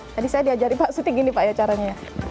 tadi saya diajari pak suti gini pak ya caranya